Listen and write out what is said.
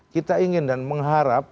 kita ingin dan mengharap